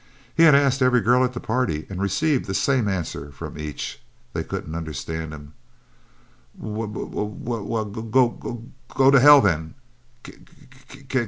He had asked every girl at the party, and received the same answer from each they couldn't understand him. 'W w w ell, g g g go to hell, then.